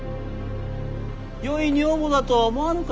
よい女房だと思わぬか？